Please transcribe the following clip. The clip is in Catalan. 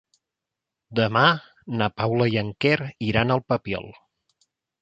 Demà na Paula i en Quer iran al Papiol.